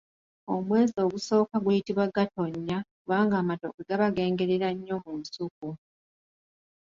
Omwezi ogusooka guyitibwa Gatonnya kubanga amatooke gaba gengerera nnyo mu nsuku.